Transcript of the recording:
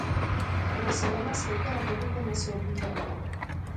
Кога се нема среќа работата не се одвива добро.